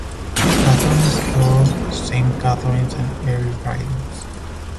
Catharines-Thorold, Saint Catharines and Erie ridings.